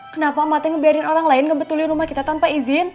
kenapa mati ngebiarin orang lain ngebetulin rumah kita tanpa izin